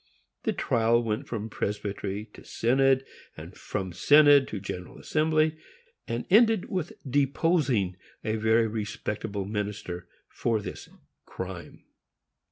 The trial went from Presbytery to Synod, and from Synod to General Assembly; and ended with deposing a very respectable minister for this crime.